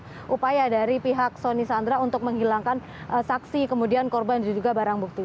supaya dari pihak soni sandro untuk menghilangkan saksi kemudian korban itu juga barang bukti